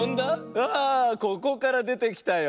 あここからでてきたよ。